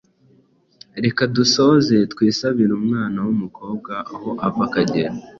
Reka dusoze twisabira umwana w’umukobwa aho ava akagera